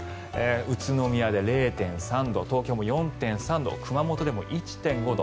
宇都宮で０．３度東京も４．３度熊本でも１．５度。